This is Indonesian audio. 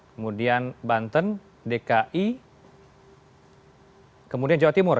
kemudian banten dki kemudian jawa timur